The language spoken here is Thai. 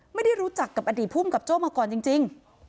ไม่ได้รู้จักกับอดีตภูมิกับโจ้มาก่อนจริง